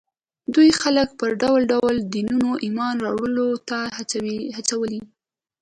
دوی خلک پر ډول ډول دینونو ایمان راوړلو ته هڅولي